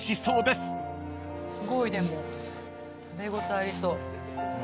すごいでも食べ応えありそう。